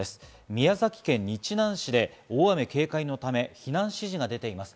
宮崎県日南市で大雨警戒のため避難指示が出ています。